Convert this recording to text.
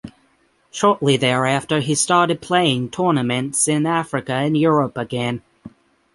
Shortly thereafter he started playing tournaments in Africa and Europe again.